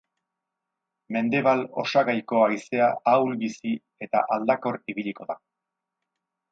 Mendebal-osagaiko haizea ahul-bizi eta aldakor ibiliko da.